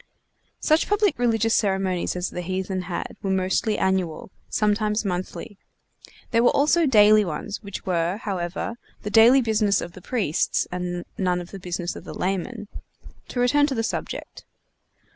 Such public religious ceremonies as the heathen had were mostly annual, sometimes monthly. There were also daily ones, which were, however, the daily business of the priests, and none of the business of the laymen. To return to the subject.